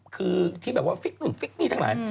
คือที่แบบว่าฟิกนี่ทั้งหลาย